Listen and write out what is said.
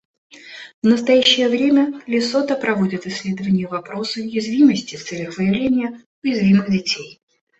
В настоящее время Лесото проводит исследование вопроса уязвимости в целях выявления уязвимых детей.